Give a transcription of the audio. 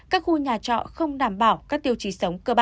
các khu nhà chọn không đảm bảo các tiêu chí